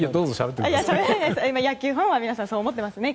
野球ファンはそう思っていますね。